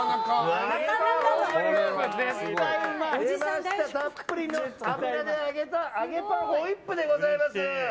絶対うまい。出ましたたっぷりの油で揚げた揚げパンホイップでございます。